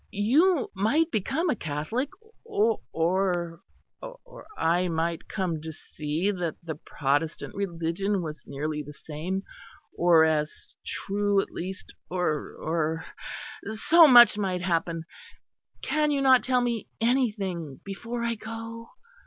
You might become a Catholic or or, I might come to see that the Protestant Religion was nearly the same, or as true at least or or so much might happen. Can you not tell me anything before I go?"